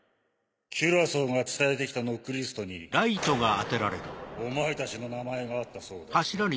キュラソーが伝えてきたノックリストにお前たちの名前があったそうだ。